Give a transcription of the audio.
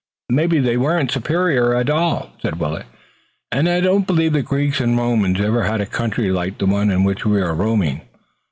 "Maybe they weren't superior at all," said Willet, "and I don't believe the Greeks and Romans ever had a country like the one in which we are roaming.